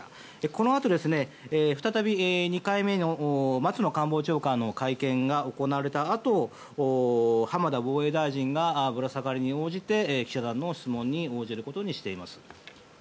このあと再び２回目の松野官房長官の会見が行われたあと浜田防衛大臣がぶら下がりに応じて記者団の質問に応じることにしています。